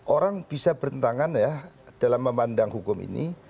orang bisa bertentangan ya dalam memandang hukum ini